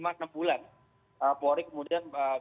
polri kemudian bisa kemudian normatif lagi